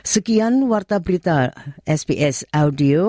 sekian warta berita sps audio